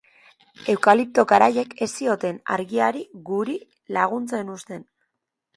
Eukalipto garaiek ez zioten argiari guri laguntzen uzten.